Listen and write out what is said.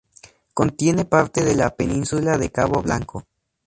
Contiene parte de la península de Cabo Blanco.